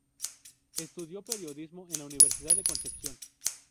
Estudió periodismo en la Universidad de Concepción.